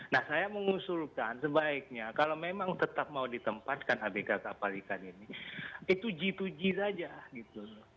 nah saya mengusulkan sebaiknya kalau memang tetap mau ditempatkan abk kapal ikan ini itu g dua g saja gitu loh